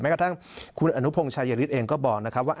แม้กระทั่งคุณอนุพงษ์ชายฤทธิ์เองก็บอกว่า